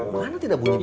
mana tidak bunyi bunyi